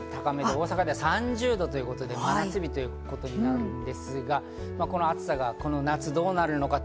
大阪では３０度ということで、真夏日ということになりそうですが、この暑さがこの夏どうなるのか。